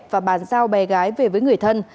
và bàn giao bé gái về với người thân